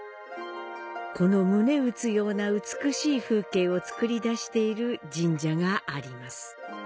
この胸打つような美しい風景をつくり出している神社があります。